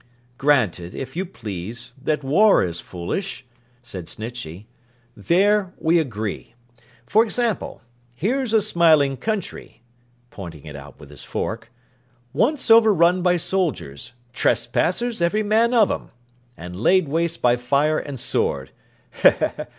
'Granted, if you please, that war is foolish,' said Snitchey. 'There we agree. For example. Here's a smiling country,' pointing it out with his fork, 'once overrun by soldiers—trespassers every man of 'em—and laid waste by fire and sword.